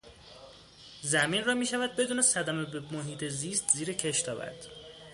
زمین را میشود بدون صدمه به محیط زیست زیر کشت آورد.